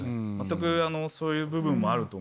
全くそういう部分もあると思います。